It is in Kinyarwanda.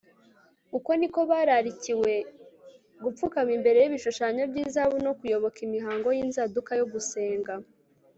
Uko ni ko bararikiwe gupfukama imbere yibishushanyo byizahabu no kuyoboka imihango yinzaduka yo gusenga